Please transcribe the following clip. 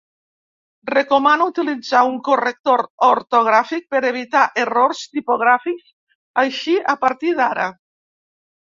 Recomano utilitzar un corrector ortogràfic per evitar errors tipogràfics així a partir d'ara.